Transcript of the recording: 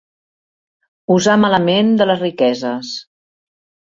Usar malament de les riqueses.